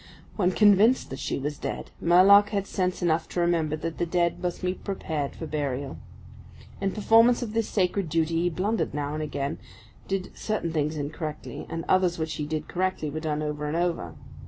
When convinced that she was dead, Murlock had sense enough to remember that the dead must be prepared for burial. In performance of this sacred duty he blundered now and again, did certain things incorrectly, and others which he did correctly were done over and over.